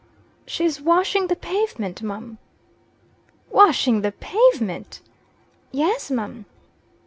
"She's washing the pavement, mum." "Washing the pavement!" "Yes, mum."